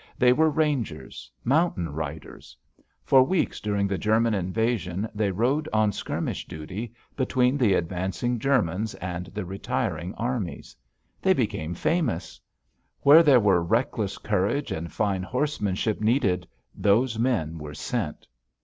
They were rangers: mountain riders. For weeks during the German invasion they rode on skirmish duty between the advancing Germans and the retiring armies. They became famous. Where there were reckless courage and fine horsemanship needed, those men were sent.